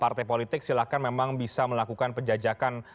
partai politik silahkan memang bisa melakukan penjajakan